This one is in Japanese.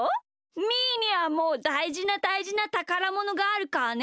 みーにはもうだいじなだいじなたからものがあるからね。